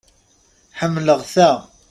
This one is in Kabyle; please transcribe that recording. Ḥemmleɣ ta.